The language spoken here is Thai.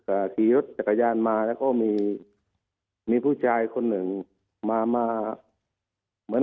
ขี่รถจักรยานมาแล้วก็มีมีผู้ชายคนหนึ่งมามาเหมือน